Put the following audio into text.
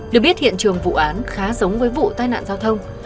được biết hiện trường vụ án khá giống với vụ tai nạn giao thông